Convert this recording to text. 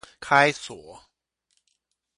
開鎖